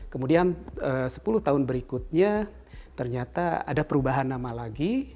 kemudian sepuluh tahun berikutnya ternyata ada perubahan nama lagi